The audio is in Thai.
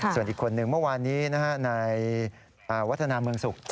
ส่วนอีกคนนึงเมื่อวานนี้นายวัฒนาเมืองสุข